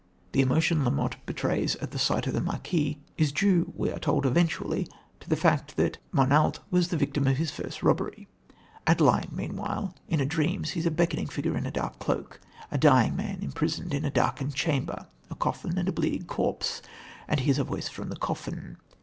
The emotion La Motte betrays at the sight of the marquis is due, we are told eventually, to the fact that Montalt was the victim of his first robbery. Adeline, meanwhile, in a dream sees a beckoning figure in a dark cloak, a dying man imprisoned in a darkened chamber, a coffin and a bleeding corpse, and hears a voice from the coffin.